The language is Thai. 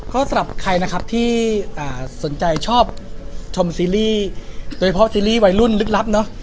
ก็สำหรับใครนะครับที่สนใจชอบชมซีรีส์โดยเฉพาะซีรีส์วัยรุ่นลึกลับเนอะ